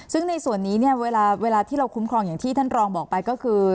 ซึ่งในส่วนนี้เนี่ยเวลาที่เราคุ้มครองอย่างที่ท่านรองบอกไปก็คือ